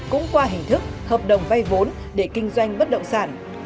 cũng qua hình thức hợp đồng vay vốn để kinh doanh bất động sản